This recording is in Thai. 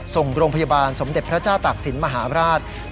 ส่งโรงพยาบาลสมเด็จพระเจ้าตักศิลป์มหาปราชนิทธิวัติ